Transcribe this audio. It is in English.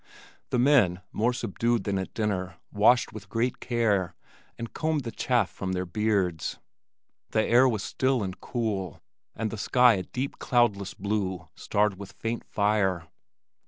The men, more subdued than at dinner, washed with greater care, and combed the chaff from their beards. The air was still and cool, and the sky a deep cloudless blue starred with faint fire.